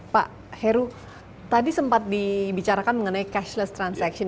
pak heru tadi sempat dibicarakan mengenai cashless transaction